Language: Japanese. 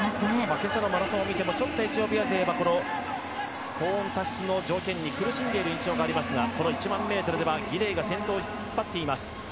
今朝のマラソンを見てもちょっとエチオピア勢は高温多湿の条件に苦しんでいる印象がありますがこの１００００ｍではギデイが先頭で引っ張っています。